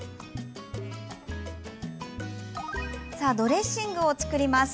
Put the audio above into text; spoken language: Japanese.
ドレッシングを作ります。